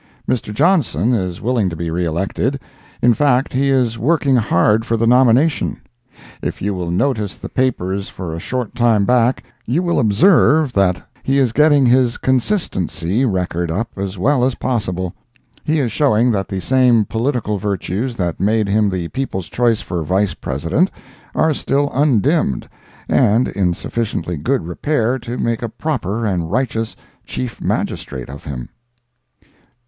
Mr. Johnson is willing to be reelected. In fact he is working hard for the nomination. If you will notice the papers for a short time back, you will observe that he is getting his "consistency" record up as well as possible. He is showing that the same political virtues that made him the people's choice for Vice President are still undimmed, and in sufficiently good repair to make a proper and righteous Chief Magistrate of him.